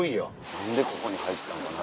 何でここに入ったんかな？